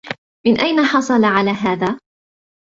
من أين حصل على هذا؟